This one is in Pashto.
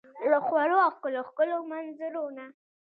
له خوړو او ښکلو ، ښکلو منظرو نه